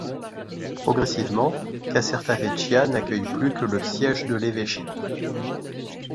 Progressivement, Casertavecchia n'accueille plus que le siège de l'évêché.